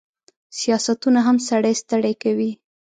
سیاستونه هم سړی ستړی کوي.